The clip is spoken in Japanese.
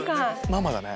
ママだね